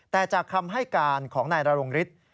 แต่จากคำให้การของนายนรงฤทธิ์